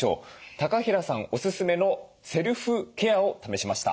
高平さんおすすめのセルフケアを試しました。